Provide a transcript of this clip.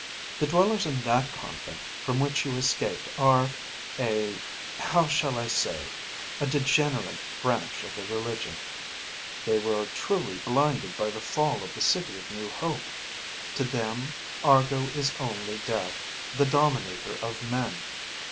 The dwellers in that convent from which you escaped are a how shall I say, a degenerate branch of the religion. They were truly blinded by the fall of the City of New Hope. To them, Argo is only death, the dominator of men.